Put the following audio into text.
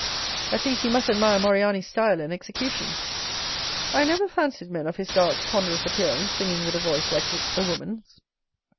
"At least, you must admire Moriani's style and execution." "I never fancied men of his dark, ponderous appearance singing with a voice like a woman's."